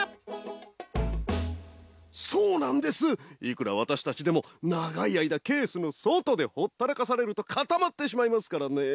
いくらわたしたちでもながいあいだケースのそとでほったらかされるとかたまってしまいますからね。